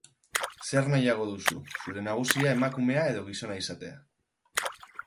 Zer nahiago duzu, zure nagusia emakumea edo gizona izatea?